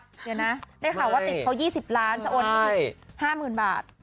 เดี๋ยวนะได้ข่าวว่าติดเขา๒๐ล้านจะโอนให้๕๐๐๐บาท